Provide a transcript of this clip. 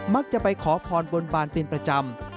จะไปขอพรบนบานเป็นประจำ